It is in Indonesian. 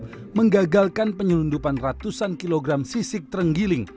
di sini tengah tengah kita kita melihat ada barang putih sebanyak tiga ratus enam puluh kg sisik tenggiling